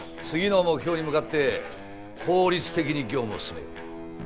次の目標に向かって効率的に業務を進めよう。